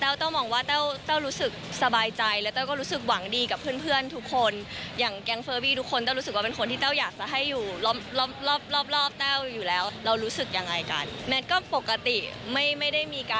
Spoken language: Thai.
เอาไปฟังแก๊วเข้าหน่อยค่ะค่ะ